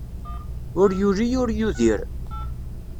Ur yuli, ur yudir.